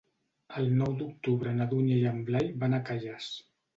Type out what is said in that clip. El nou d'octubre na Dúnia i en Blai van a Calles.